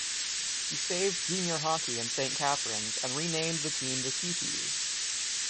He saved Junior hockey in Saint Catharines, and renamed the team the Teepees.